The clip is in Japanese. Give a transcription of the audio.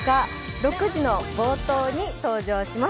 ６時の冒頭に登場します